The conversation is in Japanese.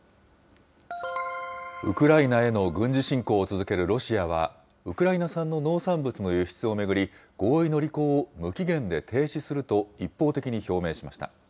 ウクライナへの軍事侵攻を続けるロシアは、ウクライナ産の農産物の輸出を巡り合意の履行を無期限で停止すると一方的に表明しました。